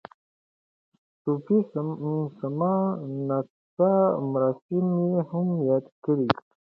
صوفي سما نڅا مراسم یې هم یاد کړي.